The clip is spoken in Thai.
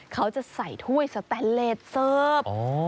เขาจะใส่ถ้วยสแตนเลสเสิร์ฟ